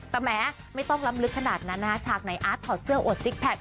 แต่แม้ไม่ต้องล้ำลึกขนาดนั้นนะคะฉากไหนอาร์ตถอดเสื้ออดซิกแพค